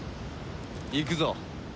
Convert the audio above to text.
行くぞ。